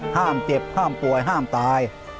ห้ามเจ็บห้ามป่วยห้ามตาย